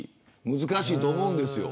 難しいと思うんですよ。